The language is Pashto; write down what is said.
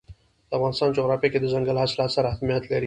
د افغانستان جغرافیه کې دځنګل حاصلات ستر اهمیت لري.